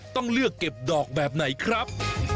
ต้องเลือกเก็บดอกแบบไหนครับ